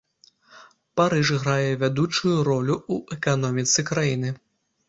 Парыж грае вядучую ролю ў эканоміцы краіны.